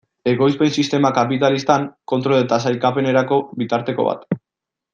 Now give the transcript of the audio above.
Ekoizpen sistema kapitalistan, kontrol eta sailkapenerako bitarteko bat.